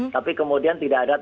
tapi kemudian tidak ada